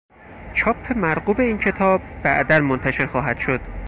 چاپ مرغوب این کتاب بعدا منتشر خواهد شد.